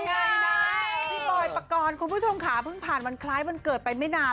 พี่บอยปกรณ์คุณผู้ชมค่ะเพิ่งผ่านวันคล้ายวันเกิดไปไม่นาน